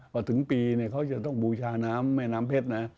พอถึงปีเนี่ยเขาจะต้องบูชาน้ำแม่น้ำเพชรนะ